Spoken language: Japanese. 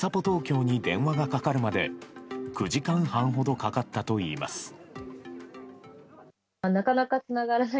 東京に電話がかかるまで９時間半ほどかかったといいます。